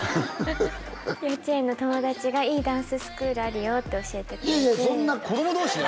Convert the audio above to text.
幼稚園の友達がいいダンススクールあるよって教えてくれて子供同士で？